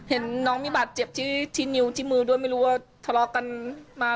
เห็นน้องมีบาดเจ็บที่นิ้วที่มือด้วยไม่รู้ว่าทะเลาะกันมา